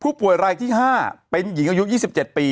ผู้ป่วยรายที่๕เป็นหญิงอายุ๒๗ปี